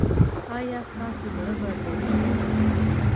ایا ستاسو زړه به دریدي؟